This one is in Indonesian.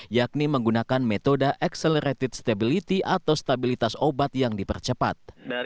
yakni menggunakan metode accelerated stability atau stabilitas obat yang dipercepat